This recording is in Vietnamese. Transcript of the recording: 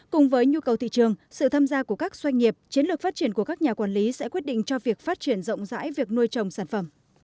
cùng với nhu cầu thị trường sự tham gia của các doanh nghiệp chiến lược phát triển của các nhà quản lý sẽ quyết định cho việc phát triển rộng rãi việc nuôi trồng sản phẩm